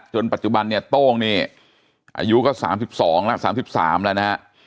ปัจจุบันเนี่ยโต้งนี่อายุก็๓๒แล้ว๓๓แล้วนะฮะ